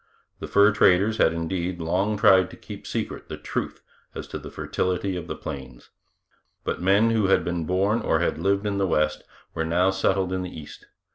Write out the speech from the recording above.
The fur traders had indeed long tried to keep secret the truth as to the fertility of the plains; but men who had been born or had lived in the West were now settled in the East.